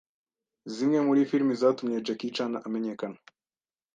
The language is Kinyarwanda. Zimwe muri Film zatumye Jackie Chan amenyekana